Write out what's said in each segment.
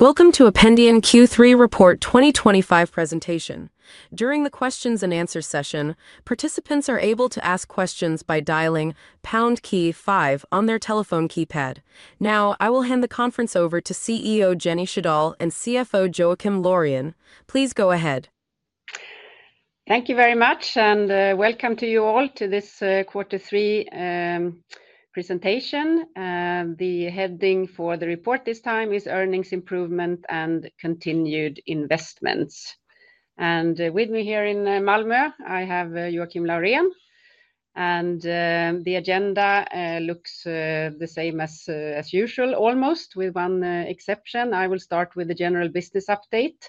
Welcome to Ependion Q3 Report 2025 presentation. During the questions and answers session, participants are able to ask questions by dialing pound key five on their telephone keypad. Now, I will hand the conference over to CEO Jenny Sjödahl and CFO Joakim Laurén. Please go ahead. Thank you very much, and welcome to you all to this Q3 presentation. The heading for the report this time is "Earnings Improvement and Continued Investments." With me here in Malmö, I have Joakim Laurén. The agenda looks the same as usual, almost, with one exception. I will start with the general business update,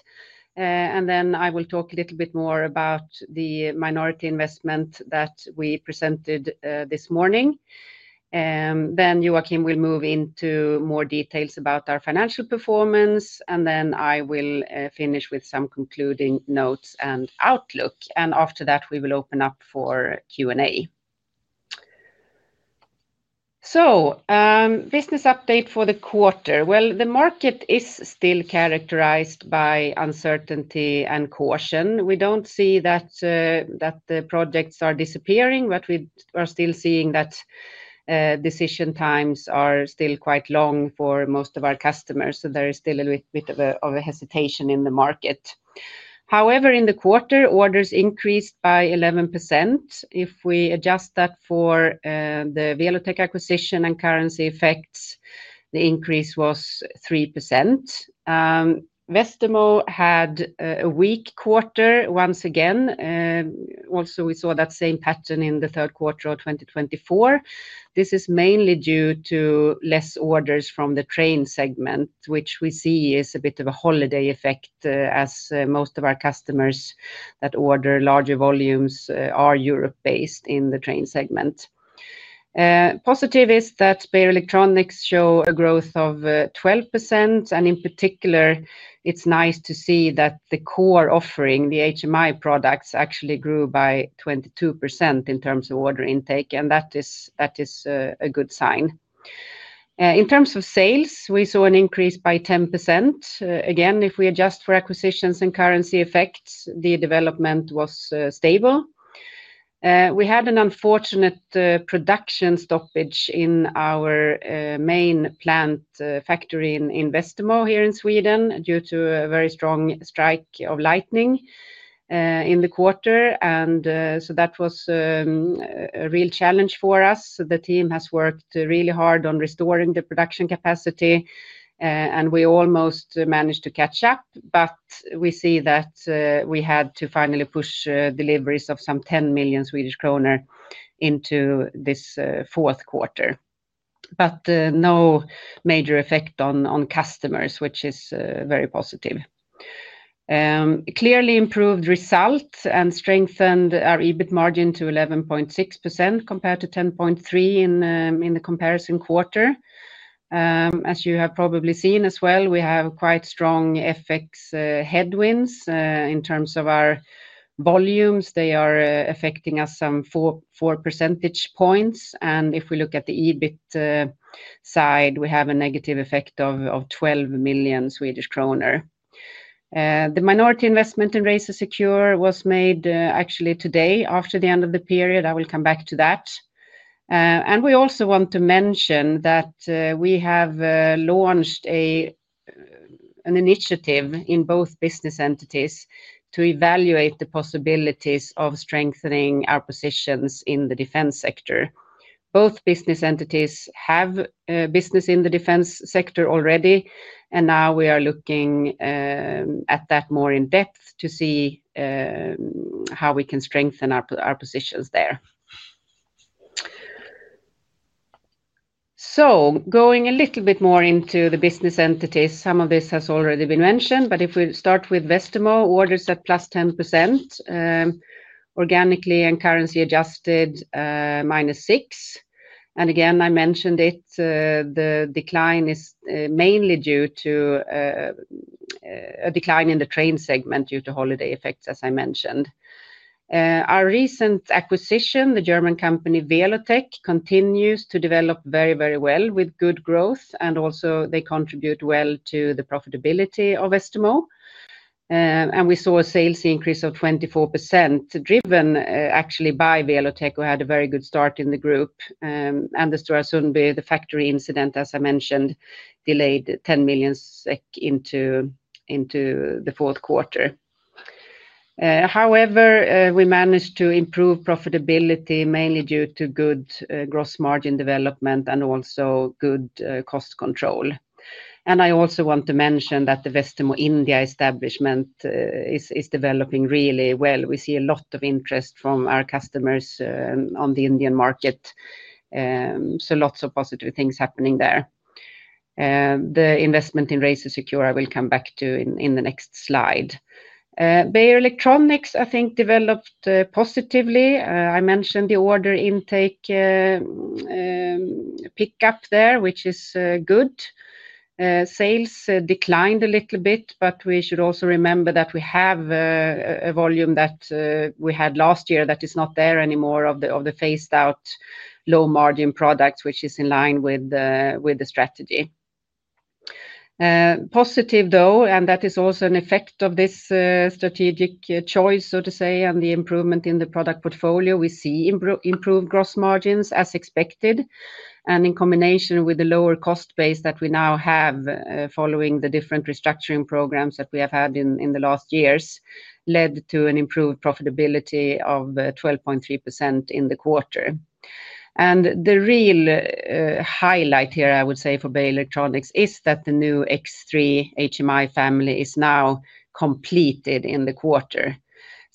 and then I will talk a little bit more about the minority investment that we presented this morning. Joakim will move into more details about our financial performance, and I will finish with some concluding notes and outlook. After that, we will open up for Q&A. Business update for the quarter: the market is still characterized by uncertainty and caution. We don't see that the projects are disappearing, but we are still seeing that decision times are still quite long for most of our customers. There is still a little bit of a hesitation in the market. However, in the quarter, orders increased by 11%. If we adjust that for the Welotec acquisition and currency effects, the increase was 3%. Westermo had a weak quarter once again. We saw that same pattern in the third quarter of 2024. This is mainly due to fewer orders from the train segment, which we see is a bit of a holiday effect, as most of our customers that order larger volumes are Europe-based in the train segment. Positive is that Beijer Electronics showed a growth of 12%, and in particular, it's nice to see that the core offering, the HMI product family, actually grew by 22% in terms of order intake, and that is a good sign. In terms of sales, we saw an increase by 10%. Again, if we adjust for acquisitions and currency effects, the development was stable. We had an unfortunate production stoppage in our main plant factory in Westermo here in Sweden due to a very strong strike of lightning in the quarter, and that was a real challenge for us. The team has worked really hard on restoring the production capacity, and we almost managed to catch up, but we see that we had to finally push deliveries of some 10 million Swedish kronor into this fourth quarter. No major effect on customers, which is very positive. Clearly improved result and strengthened our EBIT margin to 11.6% compared to 10.3% in the comparison quarter. As you have probably seen as well, we have quite strong FX headwinds in terms of our volumes. They are affecting us some 4 percentage points, and if we look at the EBIT side, we have a negative effect of 12 million Swedish kronor. The minority investment in RazorSecure was made actually today after the end of the period. I will come back to that. We also want to mention that we have launched an initiative in both business entities to evaluate the possibilities of strengthening our positions in the defense sector. Both business entities have business in the defense sector already, and now we are looking at that more in depth to see how we can strengthen our positions there. Going a little bit more into the business entities, some of this has already been mentioned, but if we start with Westermo, orders at +10%, organically and currency-adjusted -6%. I mentioned it, the decline is mainly due to a decline in the train segment due to holiday effects, as I mentioned. Our recent acquisition, the German company Welotec, continues to develop very, very well with good growth, and also they contribute well to the profitability of Westermo. We saw a sales increase of 24% driven actually by Welotec, who had a very good start in the group. The factory incident, as I mentioned, delayed 10 million SEK into the fourth quarter. However, we managed to improve profitability mainly due to good gross margin development and also good cost control. I also want to mention that the Westermo India establishment is developing really well. We see a lot of interest from our customers on the Indian market. Lots of positive things happening there. The investment in RazorSecure I will come back to in the next slide. Beijer Electronics, I think, developed positively. I mentioned the order intake pickup there, which is good. Sales declined a little bit, but we should also remember that we have a volume that we had last year that is not there anymore of the phased-out low-margin products, which is in line with the strategy. Positive though, and that is also an effect of this strategic choice, so to say, and the improvement in the product portfolio. We see improved gross margins as expected, and in combination with the lower cost base that we now have following the different restructuring programs that we have had in the last years, led to an improved profitability of 12.3% in the quarter. The real highlight here, I would say, for Beijer Electronics is that the new X3 HMI product family is now completed in the quarter.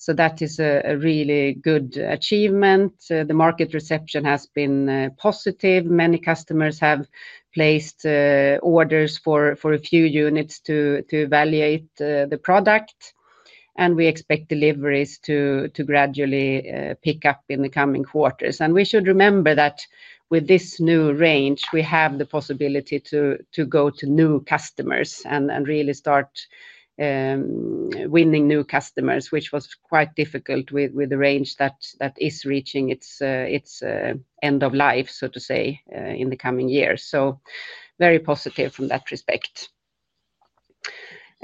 That is a really good achievement. The market reception has been positive. Many customers have placed orders for a few units to evaluate the product, and we expect deliveries to gradually pick up in the coming quarters. We should remember that with this new range, we have the possibility to go to new customers and really start winning new customers, which was quite difficult with the range that is reaching its end of life, so to say, in the coming years. This is very positive from that respect.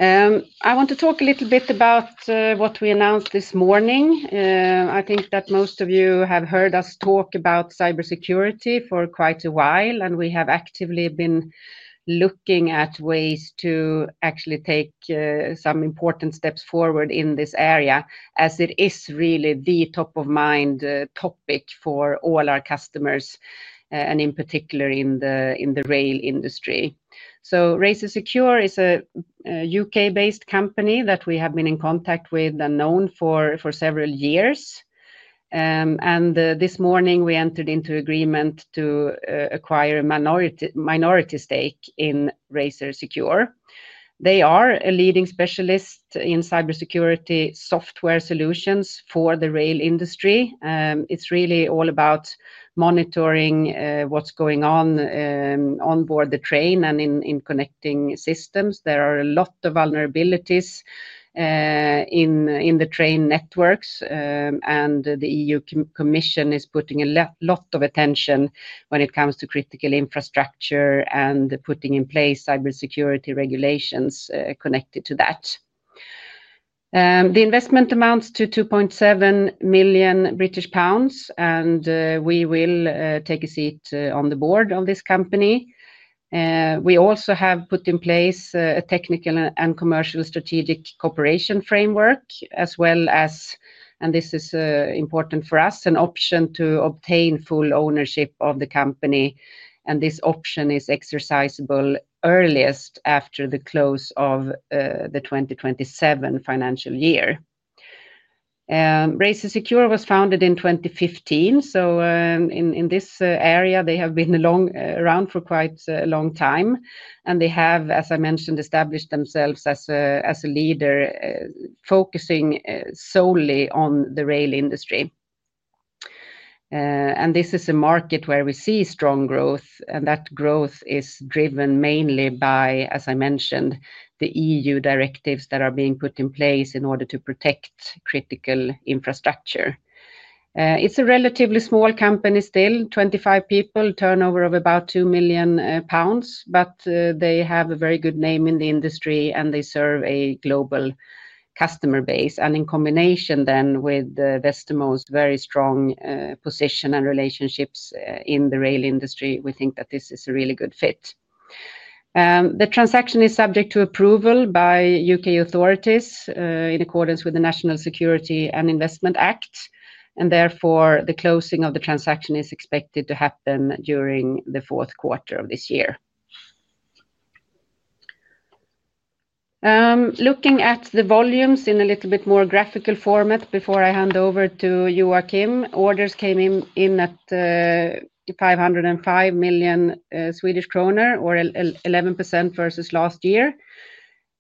I want to talk a little bit about what we announced this morning. I think that most of you have heard us talk about cybersecurity for quite a while, and we have actively been looking at ways to actually take some important steps forward in this area, as it is really the top-of-mind topic for all our customers, and in particular in the rail industry. RazorSecure is a U.K.-based company that we have been in contact with and known for several years. This morning, we entered into agreement to acquire a minority stake in RazorSecure. They are a leading specialist in cybersecurity software solutions for the rail industry. It's really all about monitoring what's going on onboard the train and in connecting systems. There are a lot of vulnerabilities in the train networks, and the EU Commission is putting a lot of attention when it comes to critical infrastructure and putting in place cybersecurity regulations connected to that. The investment amounts to 2.7 million British pounds, and we will take a seat on the board of this company. We also have put in place a technical and commercial strategic cooperation framework, as well as, and this is important for us, an option to obtain full ownership of the company, and this option is exercisable earliest after the close of the 2027 financial year. RazorSecure was founded in 2015, so in this area, they have been around for quite a long time, and they have, as I mentioned, established themselves as a leader focusing solely on the rail industry. This is a market where we see strong growth, and that growth is driven mainly by, as I mentioned, the EU directives that are being put in place in order to protect critical infrastructure. It's a relatively small company still, 25 people, turnover of about 2 million pounds, but they have a very good name in the industry, and they serve a global customer base. In combination then with Westermo's very strong position and relationships in the rail industry, we think that this is a really good fit. The transaction is subject to approval by U.K. authorities in accordance with the National Security and Investment Act, and therefore, the closing of the transaction is expected to happen during the fourth quarter of this year. Looking at the volumes in a little bit more graphical format before I hand over to Joakim, orders came in at 505 million Swedish kronor, or 11% versus last year,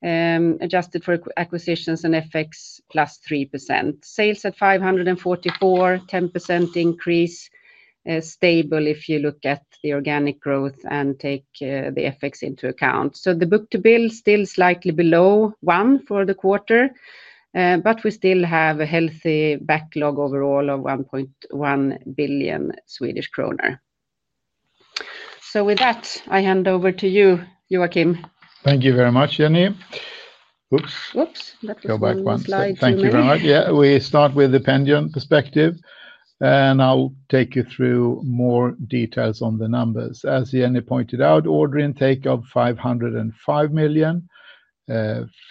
adjusted for acquisitions and FX +3%. Sales at 544 million, 10% increase, stable if you look at the organic growth and take the FX into account. The book-to-bill is still slightly below 1 for the quarter, but we still have a healthy backlog overall of 1.1 billion Swedish kronor. With that, I hand over to you, Joakim. Thank you very much, Jenny. Oops, that was the wrong slide. Thank you very much. Yeah, we start with the Ependion perspective, and I'll take you through more details on the numbers. As Jenny pointed out, order intake of 505 million,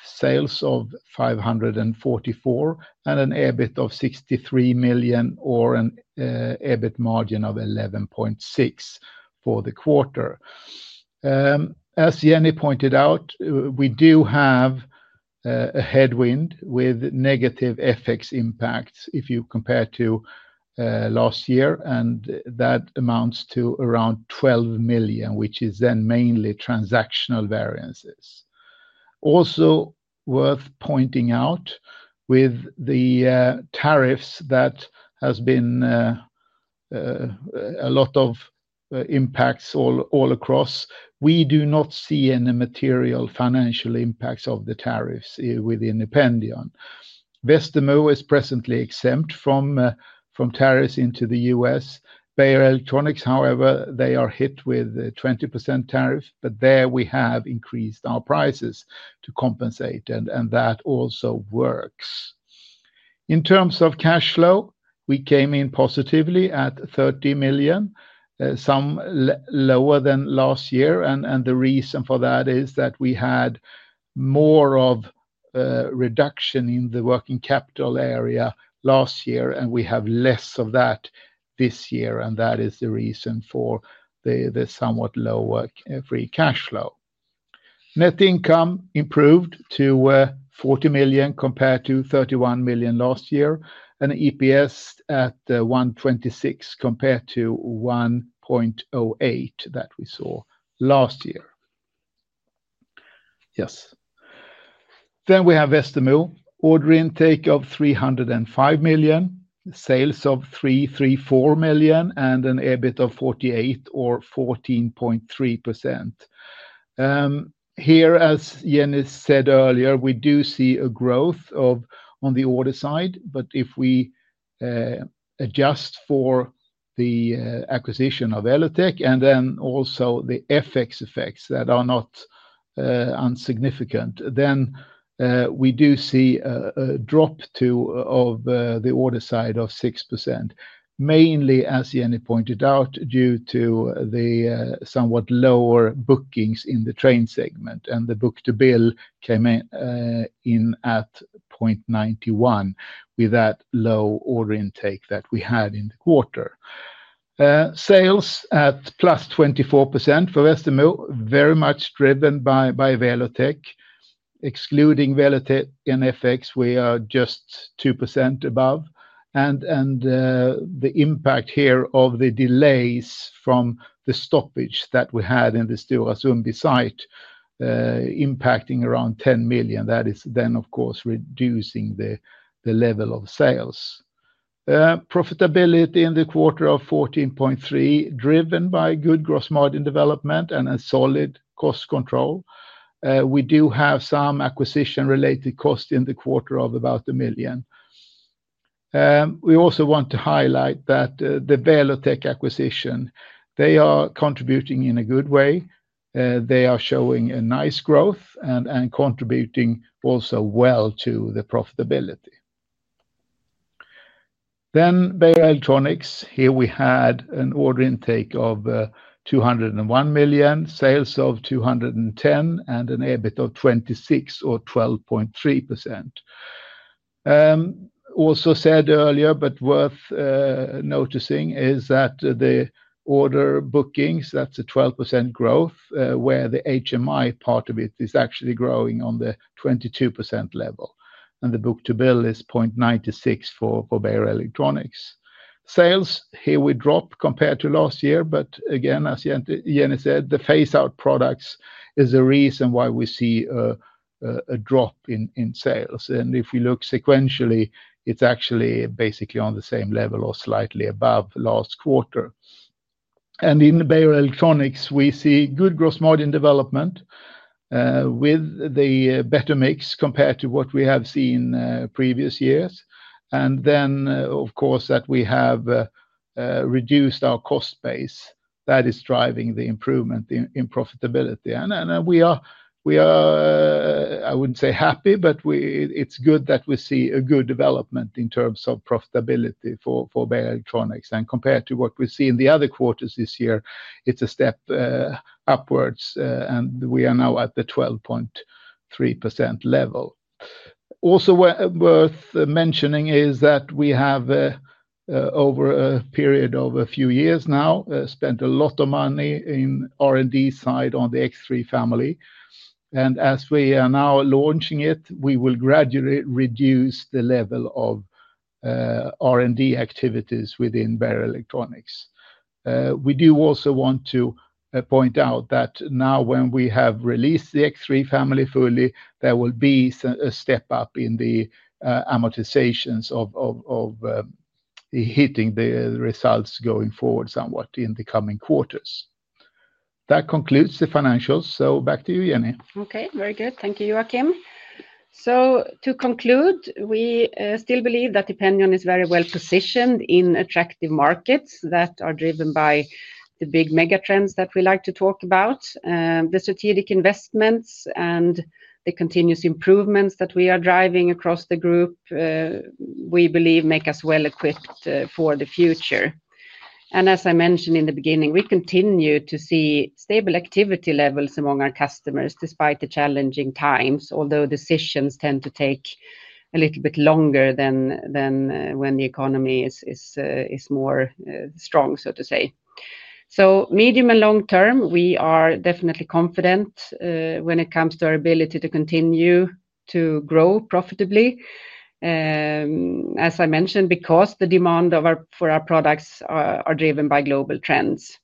sales of 544 million, and an EBIT of 63 million, or an EBIT margin of 11.6% for the quarter. As Jenny pointed out, we do have a headwind with negative FX impacts if you compare to last year, and that amounts to around 12 million, which is then mainly transactional variances. Also, worth pointing out with the tariffs that have been a lot of impacts all across, we do not see any material financial impacts of the tariffs within Ependion. Westermo is presently exempt from tariffs into the U.S. Beijer Electronics, however, they are hit with a 20% tariff, but there we have increased our prices to compensate, and that also works. In terms of cash flow, we came in positively at 30 million, some lower than last year, and the reason for that is that we had more of a reduction in the working capital area last year, and we have less of that this year, and that is the reason for the somewhat lower free cash flow. Net income improved to 40 million compared to 31 million last year, and EPS at 1.26 compared to 1.08 that we saw last year. Yes. We have Westermo, order intake of 305 million, sales of 334 million, and an EBIT of 48 million, or 14.3%. Here, as Jenny said earlier, we do see a growth on the order side, but if we adjust for the acquisition of Welotec and then also the FX effects that are not insignificant, then we do see a drop to the order side of 6%, mainly, as Jenny pointed out, due to the somewhat lower bookings in the train segment, and the book-to-bill came in at 0.91 with that low order intake that we had in the quarter. Sales at +24% for Westermo, very much driven by Welotec. Excluding Welotec and FX, we are just 2% above, and the impact here of the delays from the stoppage that we had in the Stora Sundby site impacting around 10 million. That is then, of course, reducing the level of sales. Profitability in the quarter of 14.3%, driven by good gross margin development and a solid cost control. We do have some acquisition-related costs in the quarter of about 1 million. We also want to highlight that the Welotec acquisition, they are contributing in a good way. They are showing a nice growth and contributing also well to the profitability. Beijer Electronics, here we had an order intake of 201 million, sales of 210 million, and an EBIT of 26 million, or 12.3%. Also said earlier, but worth noticing, is that the order bookings, that's a 12% growth, where the HMI part of it is actually growing on the 22% level, and the book-to-bill is 0.96 for Beijer Electronics. Sales here we drop compared to last year, but again, as Jenny said, the phased-out products is a reason why we see a drop in sales. If we look sequentially, it's actually basically on the same level or slightly above last quarter. In Beijer Electronics, we see good gross margin development with the better mix compared to what we have seen previous years, and, of course, that we have reduced our cost base. That is driving the improvement in profitability. We are, I wouldn't say happy, but it's good that we see a good development in terms of profitability for Beijer Electronics. Compared to what we've seen in the other quarters this year, it's a step upwards, and we are now at the 12.3% level. Also worth mentioning is that we have, over a period of a few years now, spent a lot of money in the R&D side on the X3 family. As we are now launching it, we will gradually reduce the level of R&D activities within Beijer Electronics. We do also want to point out that now when we have released the X3 family fully, there will be a step up in the amortizations hitting the results going forward somewhat in the coming quarters. That concludes the financials. Back to you, Jenny. Okay, very good. Thank you, Joakim. To conclude, we still believe that Ependion is very well positioned in attractive markets that are driven by the big megatrends that we like to talk about. The strategic investments and the continuous improvements that we are driving across the group, we believe, make us well-equipped for the future. As I mentioned in the beginning, we continue to see stable activity levels among our customers despite the challenging times, although decisions tend to take a little bit longer than when the economy is more strong, so to say. Medium and long term, we are definitely confident when it comes to our ability to continue to grow profitably. As I mentioned, because the demand for our products is driven by global trends.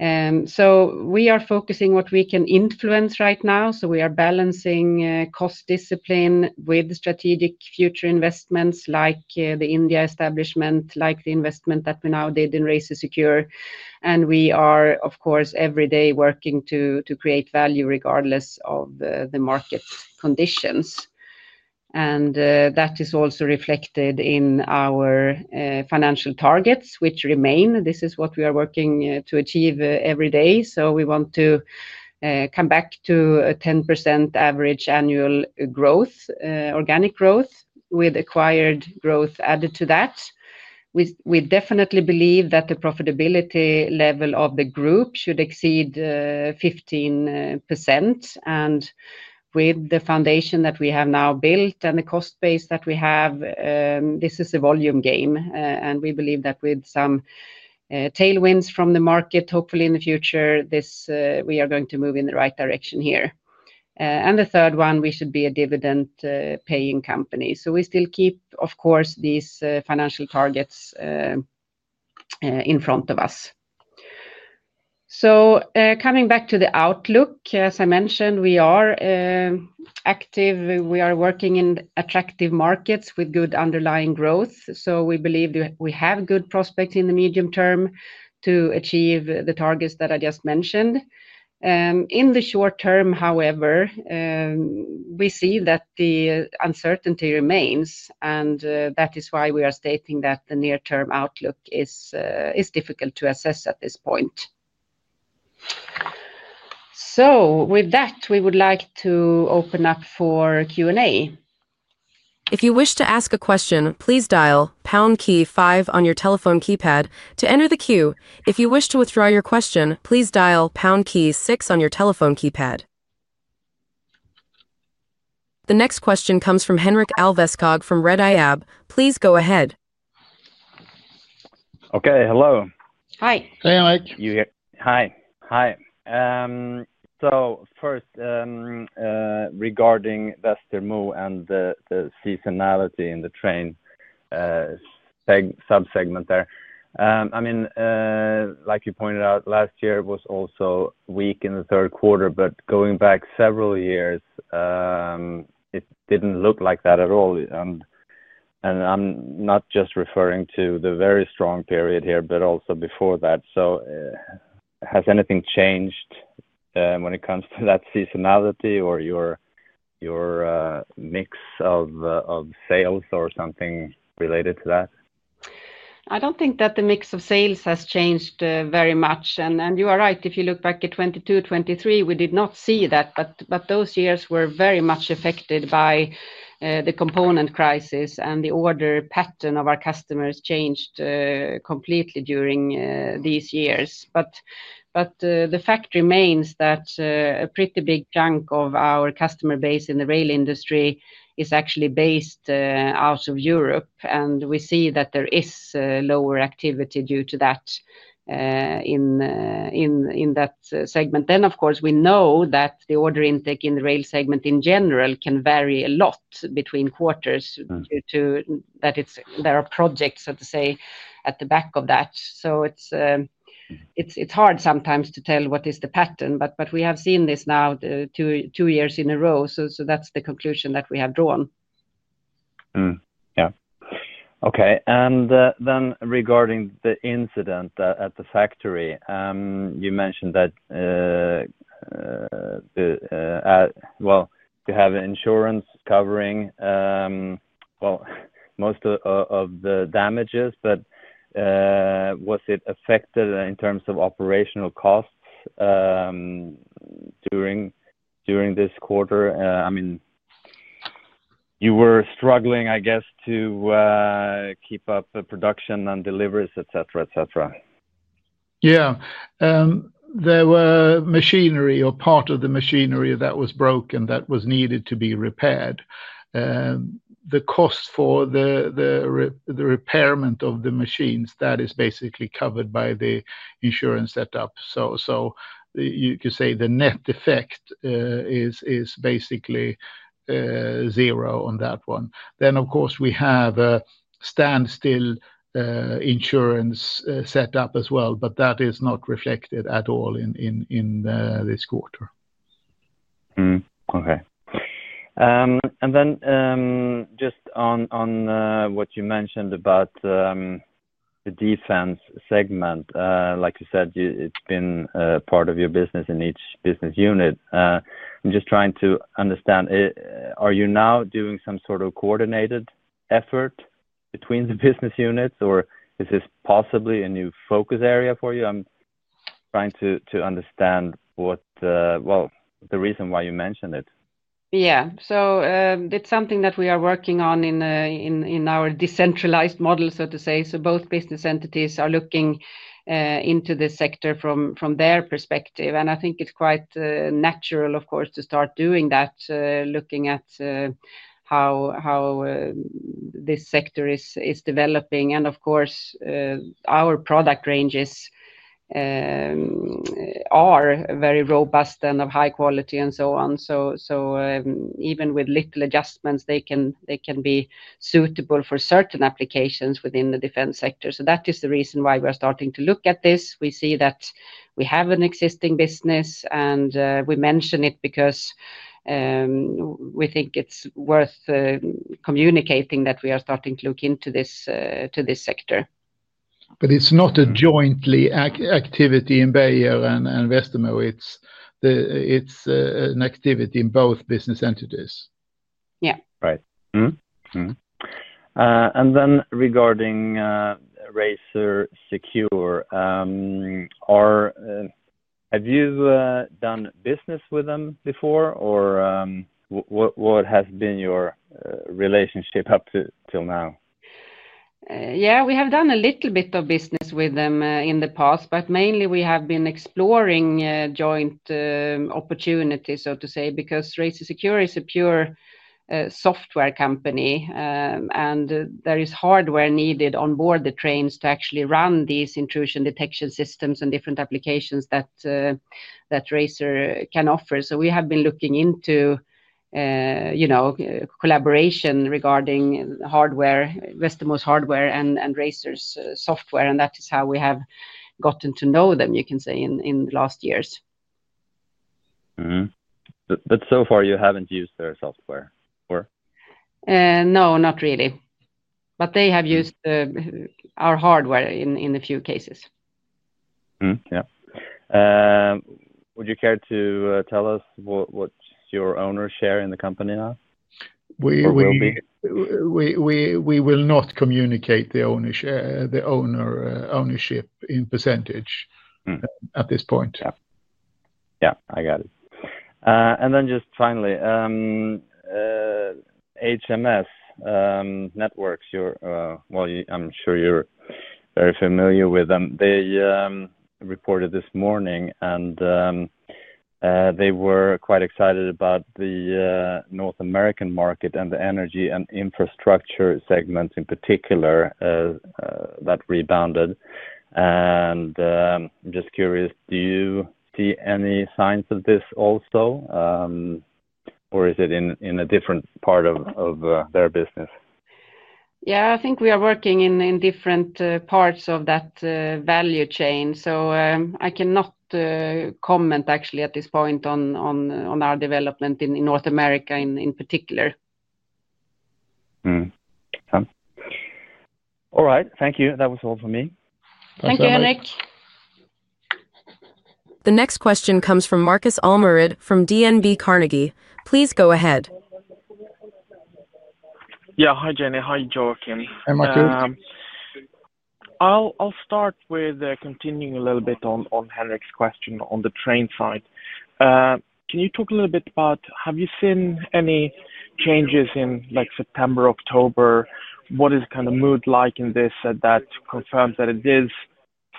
We are focusing on what we can influence right now. We are balancing cost discipline with strategic future investments like the India establishment, like the investment that we now did in RazorSecure. We are, of course, every day working to create value regardless of the market conditions. That is also reflected in our financial targets, which remain. This is what we are working to achieve every day. We want to come back to a 10% average annual growth, organic growth, with acquired growth added to that. We definitely believe that the profitability level of the group should exceed 15%. With the foundation that we have now built and the cost base that we have, this is a volume game. We believe that with some tailwinds from the market, hopefully in the future, we are going to move in the right direction here. The third one, we should be a dividend-paying company. We still keep, of course, these financial targets in front of us. Coming back to the outlook, as I mentioned, we are active. We are working in attractive markets with good underlying growth. We believe that we have good prospects in the medium term to achieve the targets that I just mentioned. In the short term, however, we see that the uncertainty remains, and that is why we are stating that the near-term outlook is difficult to assess at this point. With that, we would like to open up for Q&A. If you wish to ask a question, please dial pound key five on your telephone keypad to enter the queue. If you wish to withdraw your question, please dial pound key six on your telephone keypad. The next question comes from Henrik Alveskog from Redeye AB. Please go ahead. Okay, hello. Hi. Hey, Henrik. Hi. First, regarding Westermo and the seasonality in the train subsegment there, like you pointed out, last year was also weak in the third quarter, but going back several years, it didn't look like that at all. I'm not just referring to the very strong period here, but also before that. Has anything changed when it comes to that seasonality or your mix of sales or something related to that? I don't think that the mix of sales has changed very much. You are right, if you look back at 2022, 2023, we did not see that, but those years were very much affected by the component crisis, and the order pattern of our customers changed completely during these years. The fact remains that a pretty big chunk of our customer base in the rail industry is actually based out of Europe, and we see that there is lower activity due to that in that segment. Of course, we know that the order intake in the rail segment in general can vary a lot between quarters due to the fact that there are projects, so to say, at the back of that. It's hard sometimes to tell what is the pattern, but we have seen this now two years in a row, so that's the conclusion that we have drawn. Okay. Regarding the incident at the factory, you mentioned that you have insurance covering most of the damages, but was it affected in terms of operational costs during this quarter? I mean, you were struggling, I guess, to keep up production and deliveries, etc., etc. Yeah. There were machinery or part of the machinery that was broken that was needed to be repaired. The cost for the repairment of the machines, that is basically covered by the insurance setup. You could say the net effect is basically zero on that one. Of course, we have a standstill insurance setup as well, but that is not reflected at all in this quarter. Okay. Just on what you mentioned about the defense sector, like you said, it's been part of your business in each business unit. I'm just trying to understand, are you now doing some sort of coordinated effort between the business units, or is this possibly a new focus area for you? I'm trying to understand the reason why you mentioned it. Yeah. It's something that we are working on in our decentralized model, so to say. Both business entities are looking into this sector from their perspective. I think it's quite natural, of course, to start doing that, looking at how this sector is developing. Of course, our product ranges are very robust and of high quality and so on. Even with little adjustments, they can be suitable for certain applications within the defense sector. That is the reason why we are starting to look at this. We see that we have an existing business, and we mention it because we think it's worth communicating that we are starting to look into this sector. It is not a joint activity in Beijer Electronics and Westermo, it is an activity in both business entities. Yeah. Right. Regarding RazorSecure, have you done business with them before, or what has been your relationship up to now? Yeah, we have done a little bit of business with them in the past, but mainly we have been exploring joint opportunities, so to say, because RazorSecure is a pure software company, and there is hardware needed onboard the trains to actually run these intrusion detection systems and different applications that Razor can offer. We have been looking into collaboration regarding Westermo's hardware and Razor's software, and that is how we have gotten to know them, you can say, in the last years. So far, you haven't used their software? No, not really. They have used our hardware in a few cases. Yeah. Would you care to tell us what your owners share in the company now? We will not communicate the ownership in percentage at this point. Yeah, I got it. Finally, HMS Networks, I'm sure you're very familiar with them. They reported this morning, and they were quite excited about the North American market and the energy and infrastructure segments in particular that rebounded. I'm just curious, do you see any signs of this also, or is it in a different part of their business? I think we are working in different parts of that value chain. I cannot comment actually at this point on our development in North America in particular. All right. Thank you. That was all for me. Thank you, Henrik. The next question comes from Markus Almerud from DNB Carnegie. Please go ahead. Yeah. Hi, Jenny. Hi, Joakim. Hi, Marcus. I'll start with continuing a little bit on Henrik's question on the train side. Can you talk a little bit about, have you seen any changes in September, October? What is the kind of mood like in this? That confirms that it is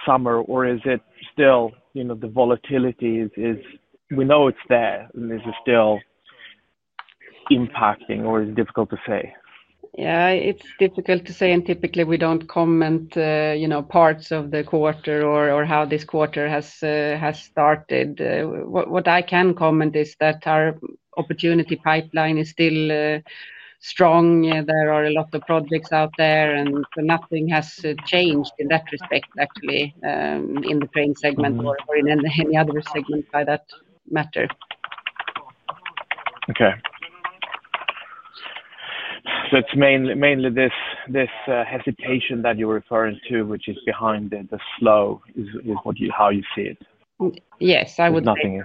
summer, or is it still, you know, the volatility is, we know it's there, and is it still impacting, or is it difficult to say? It's difficult to say, and typically, we don't comment, you know, parts of the quarter or how this quarter has started. What I can comment is that our opportunity pipeline is still strong. There are a lot of projects out there, and nothing has changed in that respect, actually, in the train segment or in any other segment by that matter. Okay. It's mainly this hesitation that you're referring to, which is behind the slow, is how you see it? Yes, I would. Nothing?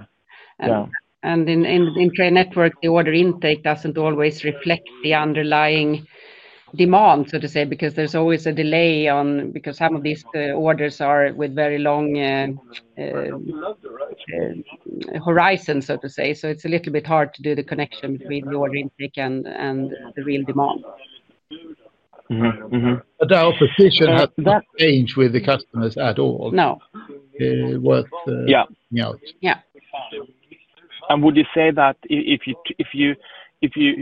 Yeah. In the train network, the order intake doesn't always reflect the underlying demand, because there's always a delay on because some of these orders are with very long horizons. It's a little bit hard to do the connection between the order intake and the real demand. The opposition has not changed with the customers at all. No. Worth pointing out. Yeah. Would you say that if you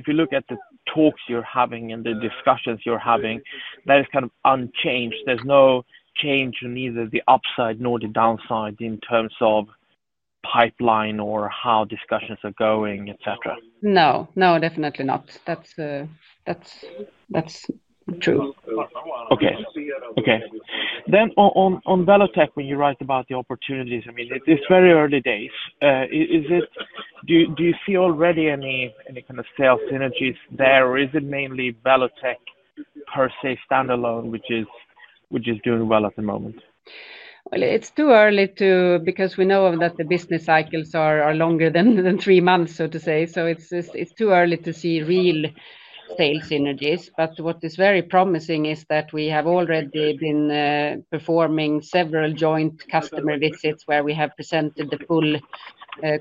look at the talks you're having and the discussions you're having, that is kind of unchanged? There's no change in either the upside nor the downside in terms of pipeline or how discussions are going, etc.? No, definitely not. That's true. Okay. Okay. On Welotec, when you write about the opportunities, I mean, it's very early days. Do you see already any kind of sales synergies there, or is it mainly Welotec per se standalone, which is doing well at the moment? It is too early to because we know that the business cycles are longer than three months, so to say. It is too early to see real sales synergies. What is very promising is that we have already been performing several joint customer visits where we have presented the full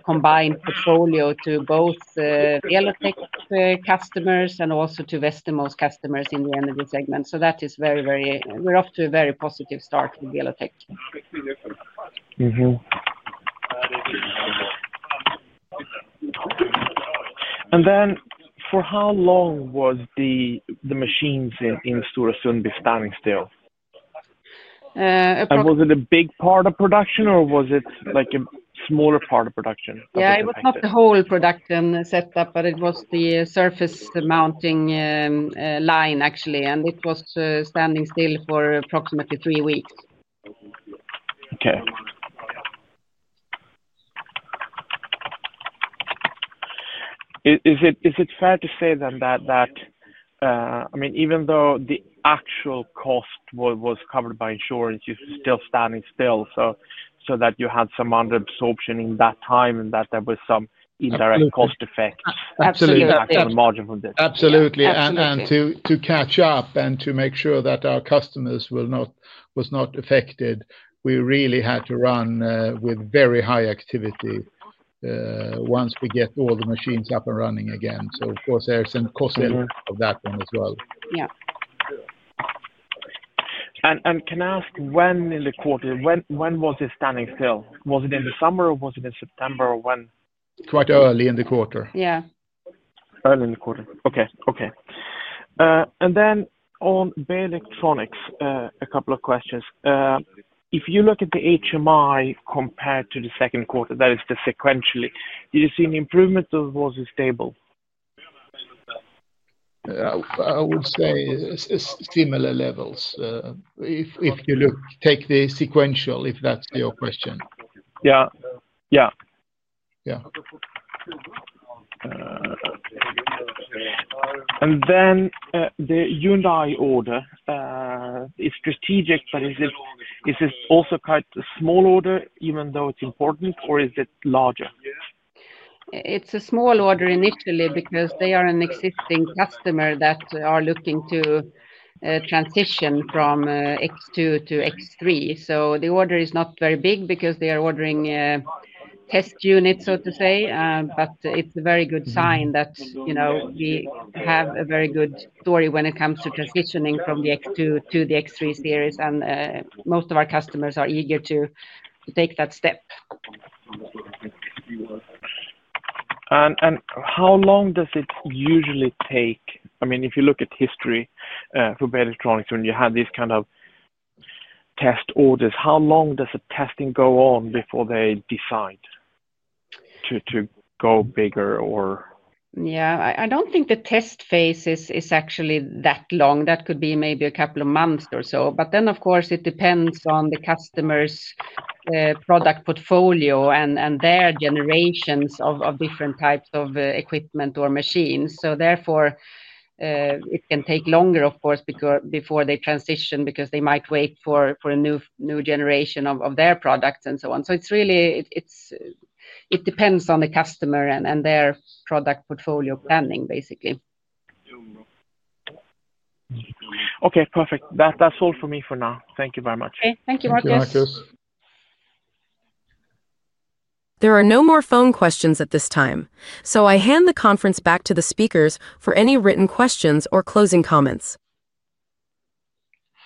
combined portfolio to both Welotec customers and also to Westermo's customers in the energy segment. That is very, very we're off to a very positive start with Welotec. For how long was the machine set in Stora Sundby standing still? Was it a big part of production, or was it like a smaller part of production? It was not the whole production setup, but it was the surface mounting line, actually. It was standing still for approximately three weeks. Okay. Is it fair to say then that, I mean, even though the actual cost was covered by insurance, you're still standing still so that you had some under-absorption in that time and that there was some indirect cost effect? Absolutely. Absolutely. To catch up and to make sure that our customers were not affected, we really had to run with very high activity once we get all the machines up and running again. Of course, there's a cost element of that one as well. Yeah. Can I ask when in the quarter, when was it standing still? Was it in the summer, or was it in September, or when? Quite early in the quarter. Yeah. Early in the quarter. Okay. On Beijer Electronics, a couple of questions. If you look at the HMI compared to the second quarter, that is sequentially, do you see an improvement, or was it stable? I would say it's similar levels. If you look, take the sequential, if that's your question. Yeah. Yeah. Yeah. The Hyundai order is strategic, but is it also quite a small order even though it's important, or is it larger? It's a small order initially because they are an existing customer that are looking to transition from x2 to x3. The order is not very big because they are ordering test units, so to say. It is a very good sign that we have a very good story when it comes to transitioning from the x2 to the x3 series, and most of our customers are eager to take that step. How long does it usually take? I mean, if you look at history for Beijer Electronics when you had these kind of test orders, how long does the testing go on before they decide to go bigger, or? I don't think the test phase is actually that long. That could be maybe a couple of months or so. Of course, it depends on the customer's product portfolio and their generations of different types of equipment or machines. Therefore, it can take longer before they transition because they might wait for a new generation of their products and so on. It depends on the customer and their product portfolio planning, basically. Okay. Perfect. That's all for me for now. Thank you very much. Okay. Thank you, Marcus. Thank you, Marcus. There are no more phone questions at this time. I hand the conference back to the speakers for any written questions or closing comments.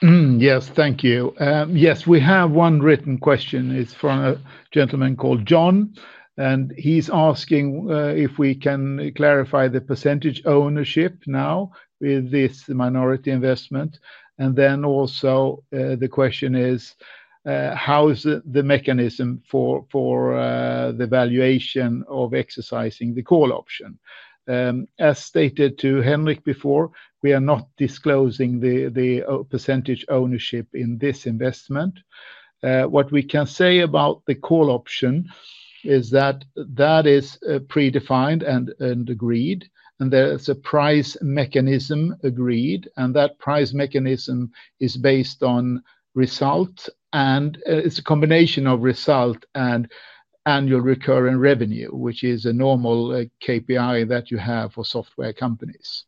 Yes, thank you. Yes, we have one written question. It's from a gentleman called John, and he's asking if we can clarify the percentage ownership now with this minority investment. The question is, how is the mechanism for the valuation of exercising the call option? As stated to Henrik before, we are not disclosing the percentage ownership in this investment. What we can say about the call option is that it is predefined and agreed, and there is a price mechanism agreed. That price mechanism is based on result, and it's a combination of result and annual recurring revenue, which is a normal KPI that you have for software companies.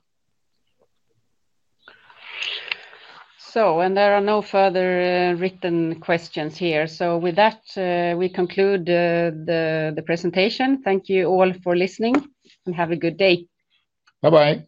There are no further written questions here. With that, we conclude the presentation. Thank you all for listening, and have a good day. Bye-bye. Bye.